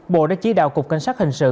bộ đã chỉ đạo cục cảnh sát hình sự